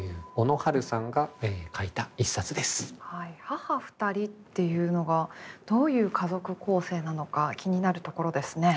はい「母ふたり」っていうのがどういう家族構成なのか気になるところですね。